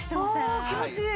あ気持ちいい。